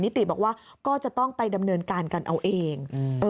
ติบอกว่าก็จะต้องไปดำเนินการกันเอาเอง